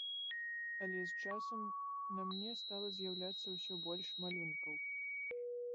Але з часам на мне стала з'яўляцца ўсё больш малюнкаў.